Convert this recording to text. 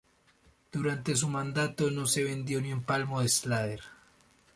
Durante su mandato no se vendió ni un palmo del Saler.